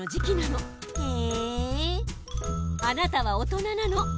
あなたは大人なの！